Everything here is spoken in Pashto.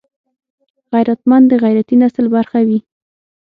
غیرتمند د غیرتي نسل برخه وي